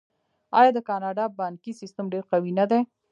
آیا د کاناډا بانکي سیستم ډیر قوي نه دی؟